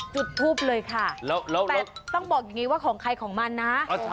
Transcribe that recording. จุดทูปเลยค่ะแต่ต้องบอกอย่างนี้ว่าของใครของมันนะ